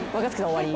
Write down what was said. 終わり。